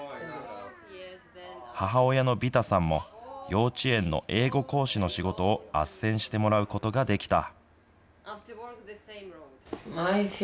母親のビタさんも幼稚園の英語講師の仕事をあっせんしてもらうことができた。